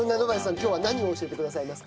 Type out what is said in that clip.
今日は何を教えてくださいますか？